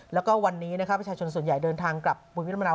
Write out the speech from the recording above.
แล้วก็วันนี้นะฮะประชาชนส่วนใหญ่เดินทางกลับบุญวิทยาลมนาว